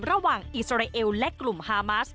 ระหว่างอิสราเอลและกลุ่มฮามาส